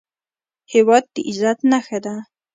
هېواد د عزت نښه ده